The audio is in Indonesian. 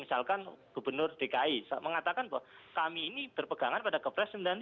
misalkan gubernur dki mengatakan bahwa kami ini berpegangan pada kepres sembilan puluh lima